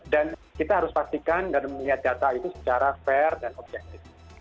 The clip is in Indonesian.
dan kita harus pastikan dan melihat data itu secara fair dan objektif